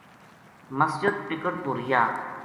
مسجد پِکٹ پو رہیا